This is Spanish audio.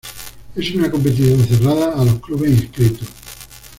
Es una competición cerrada a los clubes inscritos.